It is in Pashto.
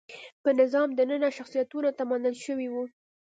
په نظام دننه شخصیتونو ته منل شوي وو.